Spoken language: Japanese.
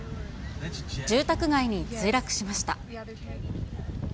住宅街に墜落しました。